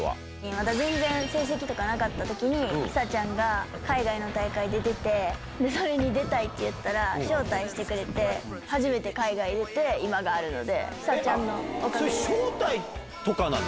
まだ全然成績とかなかった時に貴咲ちゃんが海外の大会出ててそれに出たいって言ったら招待してくれて初めて海外で出て今があるので貴咲ちゃんのおかげで。